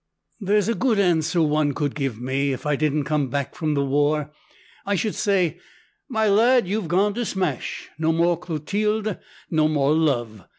"There's a good answer one could give me. If I didn't come back from the war, I should say, 'My lad, you've gone to smash, no more Clotilde, no more love!